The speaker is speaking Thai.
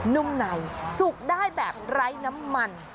นุ่มในสุกได้แบบไร้น้ำมัน